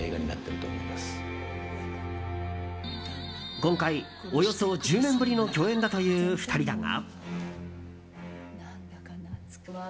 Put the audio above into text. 今回およそ１０年ぶりの共演だという２人だが。